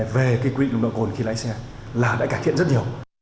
về cái quy định đồng đội cồn khi lãnh xe là đã cải thiện rất nhiều